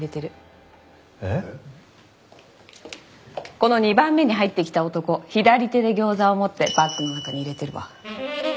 この２番目に入ってきた男左手で餃子を持ってバッグの中に入れてるわ。